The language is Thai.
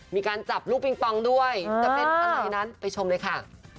มีการจับลูกปิงปองด้วยจะเป็นอะไรนั้นไปชมเลยค่ะ